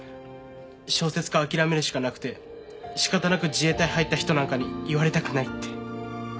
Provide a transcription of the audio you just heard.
「小説家諦めるしかなくて仕方なく自衛隊入った人なんかに言われたくない」って。